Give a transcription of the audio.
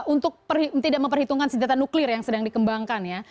untuk tidak memperhitungkan senjata nuklir yang sedang dikembangkan ya